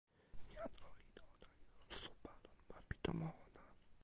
jan olin ona li lon supa lon ma pi tomo ona.